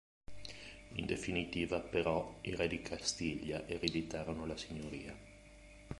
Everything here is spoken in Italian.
In definitiva però, i re di Castiglia ereditarono la signoria.